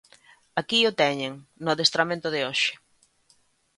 Aquí o teñen no adestramento de hoxe.